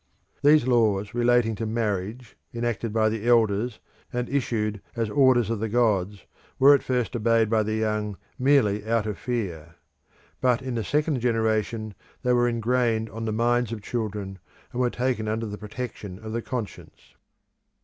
These laws relating to marriage, enacted by the elders, and issued as orders of the gods, were at first obeyed by the young merely out of fear; but in the second generation they were ingrained on the minds of children, and were taken under the protection of the conscience.